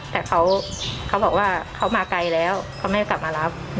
แต่เขาบอกว่าเขามาไกลแล้วเขาไม่กลับมารับ